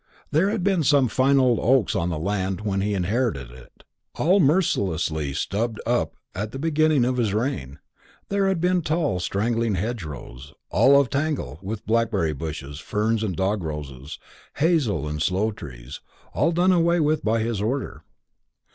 There had been some fine old oaks on the land when he inherited it, all mercilessly stubbed up at the beginning of his reign; there had been tall straggling hedgerows, all of a tangle with blackberry bushes, ferns, and dog roses, hazel and sloe trees, all done away with by his order.